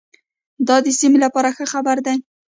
دا د سیمې لپاره ښه خبر دی.